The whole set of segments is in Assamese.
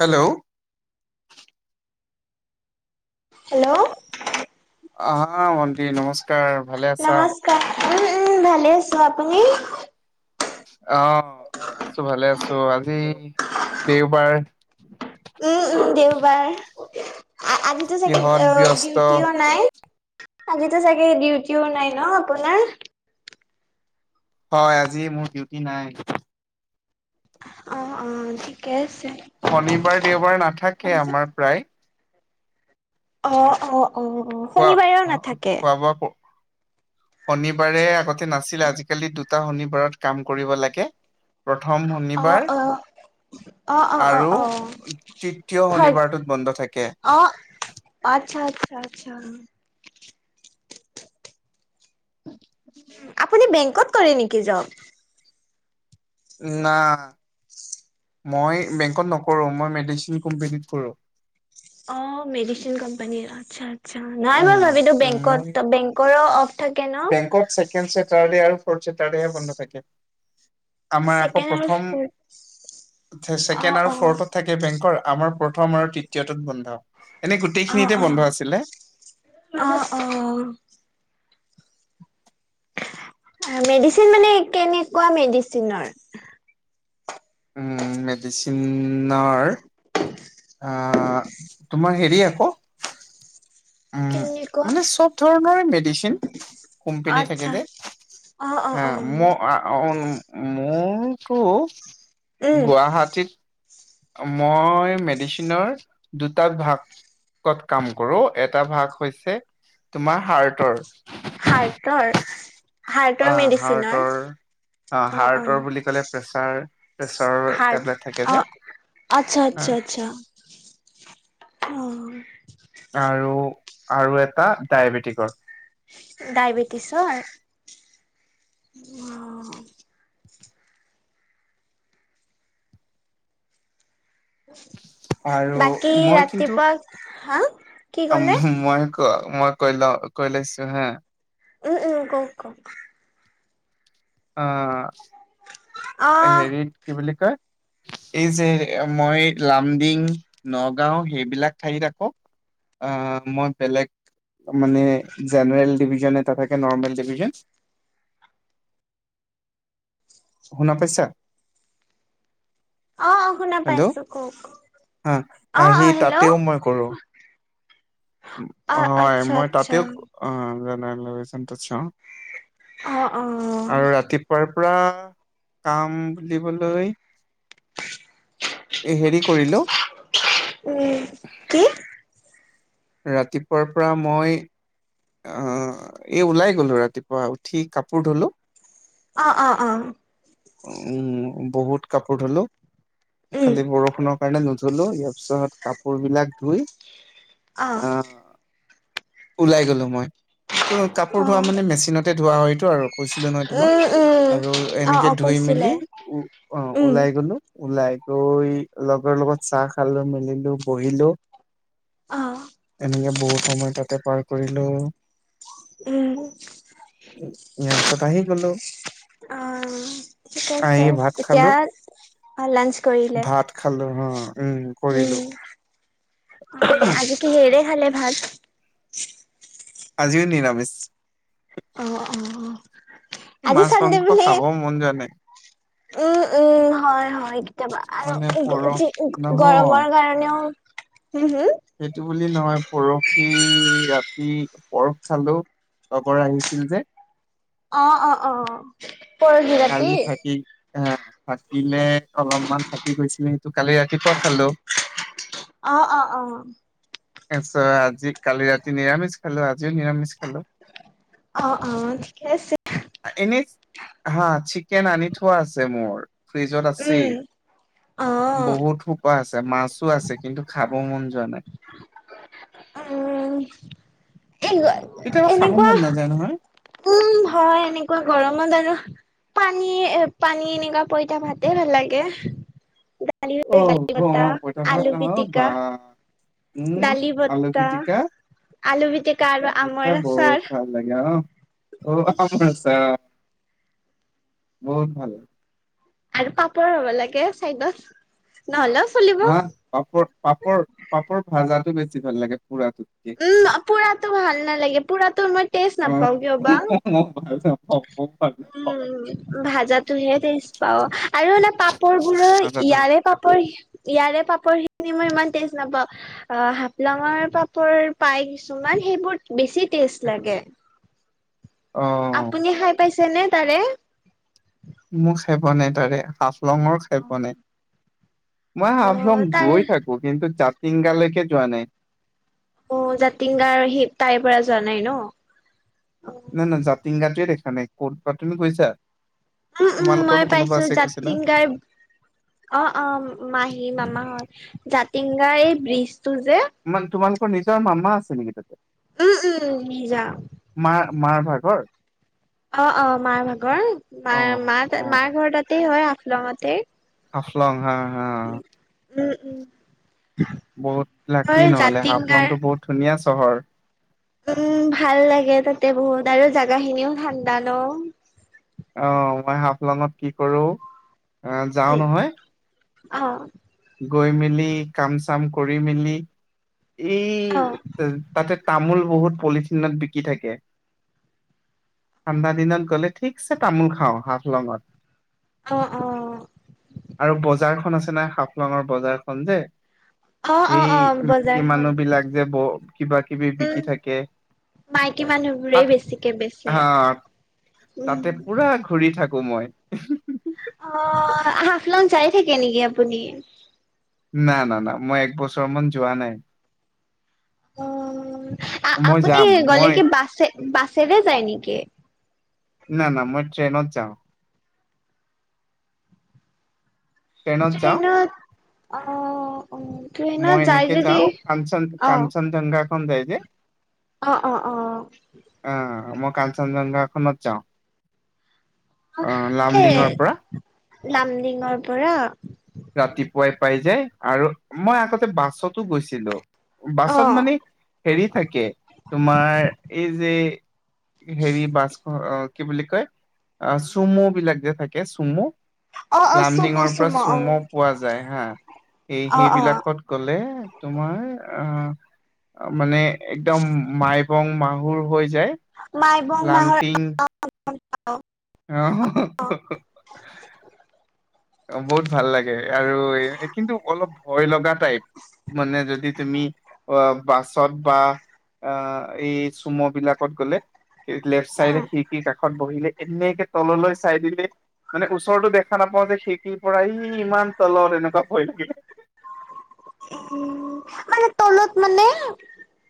Hello hello. আহা ভণ্টি নমস্কাৰ ভালে আছা? নমস্কাৰ উম, উম ভালে আছো। আপুনি? অ, আছো ভালে আছো আজি দেওবাৰ উম উম দেওবাৰ আজি। আজিতো চাগে কিহত অ ব্যস্ত ডিউটিও নাই আজিতো চাগে ডিউটিও নাই ন আপোনাৰ? হয় আজি মোৰ ডিউটি নাই। অ অ ঠিকে আছে। শনিবাৰ, দেওবাৰ, নাথাকে আমাৰ প্ৰায়। অ অ অ অ খোৱা শনিবাৰেও নাথাকে। [unintelligible] শনিবাৰে আগতে নাছিলে আজিকালি দুটা শনিবাৰত কাম কৰিব লাগে। প্ৰথম অ শনিবাৰ অ অ অ অ আৰু অ তৃতীয় থাৰ্ড শনিবাৰটোত বন্ধ থাকে। অ আচ্ছা, আচ্ছা, আচ্ছা, আপুনি বেংকত কৰে নেকি জব? না মই বেংকত নকৰো মই মেডিচিন কোম্পনীত কৰো। অ মেডিচিন কোম্পানীৰ আচ্ছা আ ছা নাই হোৱা ভাবিতো উম মোৰ বেংকত বেংকৰ অফ থাকে। ন বেংকত ছেকেণ্ড ছেটাৰডে আৰু ফৰ্ড ছেটাৰডেহে বন্ধ থাকে। আমাৰ আকৌ ছেকেণ্ড প্ৰথম আৰু ছেকেণ্ড অ', আৰু অ', ফৰ্থত থাকে বেংকৰ আমাৰ প্ৰথম আৰু তৃতীয়টো বন্ধ। এনেই অ', গোটেইখিনিতে বন্ধ অ', আছিলে। অ', অহ', মেডিচিন মানে কেনেকুৱা মেডিচিনৰ উম', মেডিচিনৰ', অহ', তোমাৰ হেৰি আকৌ', উম', কেনেকুৱা মানে চব ধৰণৰে মেডিচিন', কোম্পানী থাকে আচ্ছা যে অ', ', অ', হা', অ', -মো', আহ', -অহ', -উম', মোৰতো উম, গুৱাহাটীত', মই মেডিচিনৰ দুটা ভাগ', ত', কাম কৰোঁ এটা ভাগ হৈছে তোমাৰ হাৰ্টৰ', হাৰ্টৰ? হাৰ্টৰ অ', মেডিচিনৰ হাৰ্টৰ, অ', হাৰ্টৰ, বুলি ক'লে প্ৰেচাৰ', হাৰ্ট, অ', আচ্ছা', - আচ্ছা', - আচ্ছা', উম', আৰু', - আৰু', এটা ডায়েবেটিকৰ', ডায়েবেটিছৰ? উম', আৰু বাকী মই কিন্তু ৰাতিপুৱা হা কি ক'লে? মই', ক', মই কৈলো কৈ লৈছোঁ হা', উম', - উম', কওক', - কওক', অ', অ', হেৰিত কি বুলি কয়? এই যে', মই লামডিং, নগাঁও, সেইবিলাক ঠাইত আকৌ', আহ', -আহ', মই বেলেগ', মানে জেনেৰেল ডিভিজন এটা থাকে নৰ্মেল ডিভিজন', শুনা পাইছা? অ', অ', শুনা হেল্ল', পাইছো কওক হা', অ', সি অ', তাতেও হেল্ল' মই কৰোঁ', অ', হয়', আচ্ছা, মই আচ্ছা তাতেও ক', [unintelligible] অ', অ', আৰু ৰাতি', তাৰ পৰা কাম বুলিবলৈ', এই হেৰি কৰিলোঁ', উম', কি ৰাতিপুৱাৰ পৰা মই', অ', এই ওলাই গলোঁ, ৰাতিপুৱা উঠি কাপোৰ ধুলোঁ', অ', -অ', -অ', উম', বহুত কাপোৰ ধুলোঁ, উম খালি বৰষুণৰ কাৰণে নো', ধুলোঁ, ইয়াৰ পিছত কাপোৰ বিলাক ধুই, অ অ আহ', ওলাই গলোঁ মই, ত', কাপোৰ ধোৱা মানে মেচিনতে ধোৱা হয়তটো আৰু কৈছিলোঁ নহয় উম তোমাক', উম আৰু অ এনেকে অ ধুই মেলি কৈছিলে উ', অ', উম ওলাই গলোঁ ওলাই', ত', ওই', লগৰ লগত চাহ খালোঁ মেলিলোঁ বহিলোঁ', অহ', এনেকে বহুত সময় তাতে পাৰ কৰিলোঁ', উম', ইয়াৰ পিছত আহি গলোঁ', উম', ঠিক আহি আছে, ভাত খালো এতিয়া', লাঞ্চ কৰিলে? ভাত খালো হ উম কৰিলো উম', উম', আজি', কিহেৰে খালে ভাত? আজিও নিৰামিষ', অ', - অ', - অ', এ', মাছ মাংস খাবও মন জোৱা নাই', উম', - উম', হয়', - হয়', কেতিয়াবা আৰু মানে এ', -যে', পৰহ -এ', -যে', -এ', নহয় গৰমৰ কাৰণেও', হুম হুম, সেইটো বুলি নহয় পৰহি ৰাতি পৰশ খালো। লগৰ আহিছিল যে', অ', - অ', - অহ', কালি থাকি। আহ থাকিলে অলপমান থাকি গৈছিলে সেটো কালি ৰাতিপুৱা খালো। অ অ অ, তাৰপাছত আজি কালি ৰাতি নিৰামিষ খালো আজিও নিৰামিষ খালো। অ অ ঠিকে আছে। এনেই, হা চিকেন আনি থোৱা আছে মোৰ ফ্ৰিজত আছেই। উম অ বহুত সোপা আছে মাছো আছে কিন্তু খাব মন যোৱা নাই। অ এই কেতিয়াবা [unintelligible] খাব এনেকুৱা মন নাযায় নহয় উম হয় এনেকুৱা গৰমত আৰু পানী পানী এনেকুৱা পইতা ভাত, এ নালাগে অ দালি পাতা অ পইতা [unintelligible] ভাত আলু আহ বা পিটিকা। উম দালি আলু বতা পিটিকা আলু পিটিকা আৰু আলু পিটিকা আমৰ বহুত আচাৰ। ভাল লাগে অ অ [unintelligible] বহুত ভাল লাগে। আৰু পাপৰ হ'ব লাগে চাইদত নহ'লে, হা পাপৰ পাপৰ পাপৰ ভাজাটো বেছি ভাল লাগে পুৰাটোতকে। উম পুৰাতো ভাল নালাগে পুৰা তো মই, টেষ্ট নাপাও কিয় বা [unintelligible] উম ভাজাতো হে তেজ পাও আৰু পাপৰ বোৰৰ ভাজাটো ইয়াৰে। পাপৰ ইয়াৰে পাপৰ খিনি মই ইমান তেজ নাপাওঁ। অ হাপলংৰ পাপৰ পাই কিছুমান সেইবোৰ বেছি টেষ্ট লাগে। অ আপুনি খাই পাইছে নে তাৰে। মোৰ খাই পোৱা নাই তাৰে হাফলংৰ, খাই পোৱা নাই মই অ হাফলং তাৰ গৈ থাকো কিন্তু জাতিংগালৈকে যোৱা নাই। অ জাতিংগাৰ সি তাইৰ পৰা যোৱা নাই ন। নাই ন জাতিংগাটোৱে দেখা নাই ক'ত পাতনি তুমি গৈছা। উম উম মই তোমালোকৰতো কোনোবা পাইছো আছে কৈছিলা জাতিংগাৰ, অ অ মাহী মামাহত জাতিংগাই ব্ৰিজটো যে। ইমান তোমালোকৰ নিজৰ মামা আছে নিকি তাত। উম উম নিজা, মা মাৰ ভাগৰ। অ অ মাৰ ভাগৰ অ মাৰ মাৰ অ মাৰ ঘৰ তাতেই হয় হাফলংতেই। হাফলং হা, হা উ উম উম, বহুত লাকি হয় নহলে হাফলং জাতিংগাৰ টো বহুত ধুনীয়া চহৰ। উম ভাল লাগে তাতে বহু তাৰে জাগা খিনিও ঠাণ্ডা ন। অ মই হাফলংত কি কৰো অ যাও উম নহয়। অ গৈ মেলি কাম চাম কৰি মেলি অ এই তাতে তামোল বহুত পলিথিনত বিকি থাকে। ঠাণ্ডা দিনত গ'লে ঠিকছে তামোল খাওঁ হাফলংত, অ অ, আৰু বজাৰখন আছে না হাফলংৰ বজাৰখন যে। অ অ সেই অ মাইকী বজাৰখন মানুহ বিলাক যে ব কিবা কিবি বিকি উম থাকে। মাইকী মানুহবোৰেই তাত বেছিকে বেচে। হা উম তাতে পুৰা ঘূৰি থাকো মই। অ, হাফলঙং যাই থাকে নেকি আপুনি? না না না মই এক বছৰ মান যোৱা নাই। আ মই আপুনি যাম গ'লে মই কি বাছে বাছেৰে যায় নেকি। না, না মই ট্ৰেইনত যাওঁ। ট্ৰেইনত অ অ ট্ৰেইনত মই যাই এনেকে যাও যদি কাঞ্চন অ কাঞ্চনজংঘাখন যায় যে। অ, অ, অ। অ, মই কাঞ্চনজংঘাখনত যাওঁ। অ এ লামডিঙৰ পৰা লামডিংৰ পৰা ৰাতিপুৱাই পাই যায় আৰু মই আগতে বাছতো গৈছিলো। অ বাছত মানে হেৰি থাকে, তোমাৰ এই যে হেৰি বাছ অ কি বুলি কয় অ চুমু বিলাক যে থাকে চুমু। অ-অ চুম', চুম'। চুম' পোৱা যায় হা। এই অ অ সেইবিলাকত গ'লে তোমাৰ আ মানে একদম মাইবং মাহুৰ হৈ যায় মাইবং মাহৰ লাংটিং অ [unintelligible] অ, বহুত ভাল লাগে আৰু কিন্তু অলপ ভয় লগা টাইপ। মানে যদি তুমি অ বাছত বা আ এই চুম' বিলাকত গ'লে লেফ্ট চাইডে উম খিৰিকীৰ কাষত বহিলে এনেকে তললৈ চাই দিলে মানে ওচৰতো দেখা নাপাওঁ যে। খিৰকিৰ পৰা ই ইমান তলত এনেকুৱা ভয় লাগে। উ মানে তলত মানে?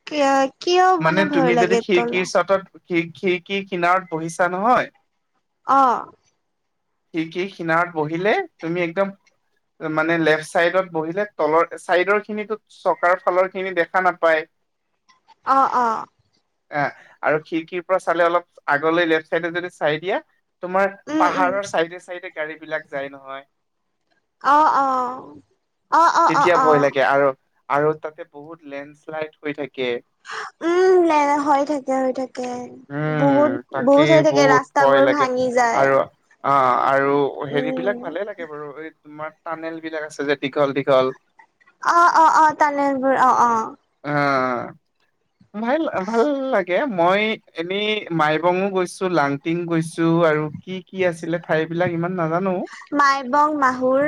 কিয়া কিয় মানে ভয় লাগে তলত? খি খিৰকী কিনাৰত বহিছা নহয় অ। খিৰকিৰ কিনাৰত বহিলে তুমি একদম মানে লেফ্ট চাইডত বহিলে তলৰ চাইডৰ খিনিতো চকাৰ ফালৰ খিনি দেখা নাপায়। অ-অ। আ আৰু খিৰিকীৰ পৰা চালে অলপ আগলৈ লেফ্ট চাইডে যদি চাই দিয়া তোমাৰ উম উম পাহাৰৰ চাইডে চাইডে গাড়ীবিলাক যায় নহয়। অ-অ, তেতিয়া অ-অ-অ-অ। ভয় লাগে আৰু আৰু তাতে বহুত লেণ্ডশ্লাইড হৈ থাকে। উম নে হৈ থাকে, হৈ থাকে। বহুত, উম তাকে বহুত হৈ থাকে। ভয় ৰাস্তাবোৰ লাগে ভাঙি যায়। আৰু অ আৰু হেৰি উম বিলাক ভালে লাগে বাৰু। এই তোমাৰ তাৰ্নেল বিলাক আছে যে দীঘল দীঘল। অ-অ-অ তাৰ্ণেলবোৰ অ, অ। অ। ভাল ভাল লাগে। মই এনেই মাইবঙো গৈছো, লাংটিং গৈছো আৰু কি কি আছিলে ঠাই বিলাক ইমান নাজানো। মাইবং মাহুৰ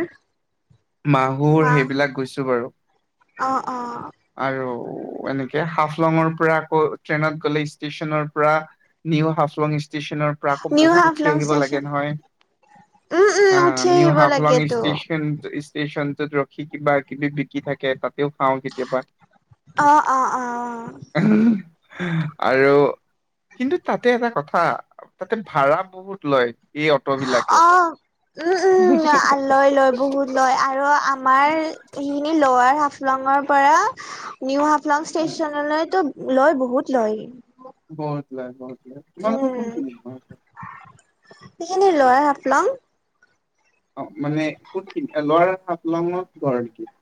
মাহুৰ মা সেইবিলাক গৈছো বাৰু। অ, অ। আৰু এনেকে হাফলঙৰ পৰা আকৌ ট্ৰেইনত গ'লে ষ্টেচনৰ পৰা নিউ হাফলং ষ্টেচনৰ পৰা আকৌ নিউ বহুত উঠি হাফলং আহিব লাগে ষ্টেচন নহয়। উম উম আ উঠি নিউ আহিব হাফলং লাগেতো ষ্টেচন ষ্টেচ ষ্টেচনটোত ৰখি কিবা কিবি বিকি থাকে। তাতেও খাওঁ কেতিয়াবা। অ-অ-অ-অ। আৰু কিন্তু তাতে এটা কথা তাতে ভাড়া বহুত লয়। এই অটো বিলাকে অ উম উম লয় লয় বহুত লয় আৰু আ- আমাৰ সেইখিনি লৱাৰ হাফলঙৰ পৰা নিউ হাফলং ষ্টেচনলৈটো লয় বহুত লয়। বহুত লয়, বহুত লয়। তোমালোকৰ কোনখিনিত পৰে? এইখিনি লয়া হাফলং অ মানে কোনখিনি লৱাৰ হাফলং ঘৰ নেকি?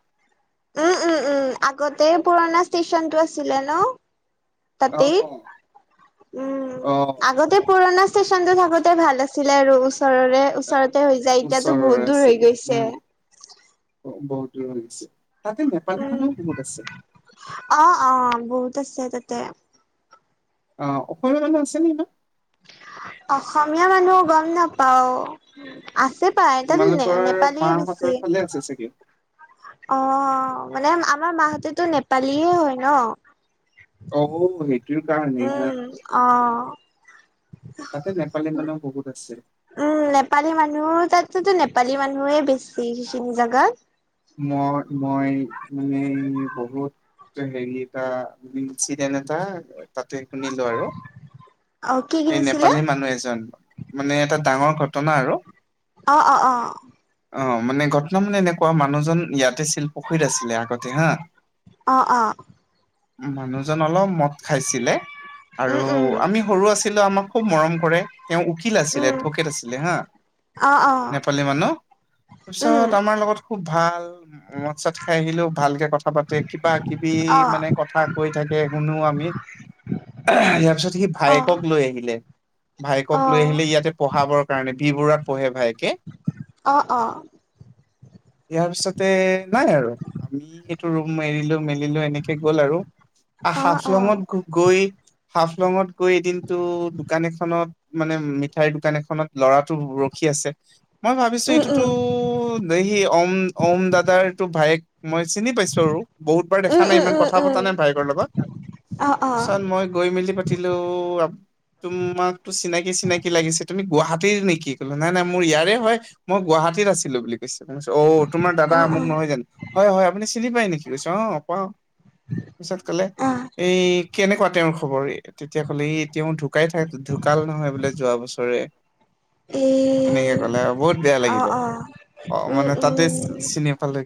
উম উম উম আগতে পুৰণা ষ্টেচনটো আছিলে ন। অ তাতে অ উম অ অ আগতে পুৰণাছ ষ্টেচনটো থাকোতে ভাল আছিলে আৰু ওচৰৰে ওচৰতে হৈ যায় এতিয়াতো ওচৰৰে বহুত দূৰ হৈ আছিলে হা গৈছে। বহুত দূৰ হৈ গৈছে তাতে নেপালী উম মানুহ বহুত আছে। অ অ বহুত আছে তাতে। অ আসমীয়া মানু্হ আছে নিকি তাত। অসমীয়া মানুহ গম নাপাওঁ। আছে পাই তাত নে নেপালীয়ে বেছি। লে আছে চাগে। অ মানে আমাৰ মাহতেতো নেপালীয়ে হয় ন। অ সেইটোৰ কাৰণেই হা উম অ। তাতে নেপালী মানুহ বহুত আছে। উম নেপালী মানুহ তাততো নেপালী মানুহয়েই বেছি সেইখিনি জেগাত। মই মই মানে বহুত হেৰি এটা চিন্তিত এনে এটা তাতে শুনিলো আৰু। অ কি এই কিনিছিলে নেপালী মানুহ এজন মানে এটা ডাঙৰ ঘটনা আৰু। অ অ অ। অ মানে ঘটনা মানে এনেকুৱা মানুহজন ইয়াতে আছিল পুখুৰীত আছিলে আগতে হা। অ অ মানুহজন অলপ মদ খাইছিলে আৰু উম উম আমি সৰু আছিলো আমাক খুব মৰম কৰে, তেওঁ উকিল আছিলে উম এডভকেট আছিলে হা। অ', অ', নেপালী মানুহ উম, তাৰপিছত আমাৰ লগত খুব ভাল মদ ছ- খাই আহিলেও ভালকে কথা পাতে কিবা কিবি অ', মানে কথা কৈ থাকে শুনো আমি ইয়াৰ পিছত সি অ', ভায়েকক লৈ আহিলে। ভাইকক লৈ অ', আহিলে ইয়াতে পঢ়াবৰ কাৰণে বি বৰুৱাত পঢ়ে ভায়েকে। অ অ। ইয়াৰ পিছতে নাই আৰু আমি সেইটো ৰুম এৰিলেও মেল- কিলো এনেকে গ'ল আৰু অ', অ', হাফলঙত গৈ হাফলঙত কৈ এদিনটো দোকান এখনত মানে মিঠাইৰ দোকান এখনত ল'ৰাটো ৰখি আছে। মই ভাবিছো উম, এইটোতো উম, দে সি অম অম দাদাৰ এইটো ভায়েক মই চিনি পাইছো আৰু। বহুত বাৰ দেখা উম, নাই ইমান উম, কথা পতা নাই উম, ভাইকৰ লগত অ', অ', পিছত মই গৈ মেলি পা- ছিলো আপ- তোমাকতো চিনাকি চিনাকি লাগিছে তুমি গুৱাহাটীৰ নেকি কলো নাই নাই মোৰ ইয়াৰে হয়। মই গুৱাহাটীত আছিলো বুলি। ক অ তোমাৰ দাদা অ', মোক নহয় জানো হয় হয় আপুনি চিনি পায় নেকি কৈছে অ পাওঁ। পিছত কলে অ', এই কেনেকুৱা তেওঁৰ খবৰ তেতিয়া ক'লে ই তেওঁ ঢুকাই থা ঢুকাল নহয় বোলে যোৱা বছৰে। এ, এনেকে ক'লে আৰু বহুত বেয়া অ', লাগিলে। অ', অ মানে উম, তাতে উম। চিনি পালে